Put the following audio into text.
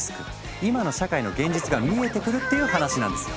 今の社会の現実が見えてくる！っていう話なんですよ。